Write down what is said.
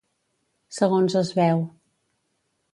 Segons es veu.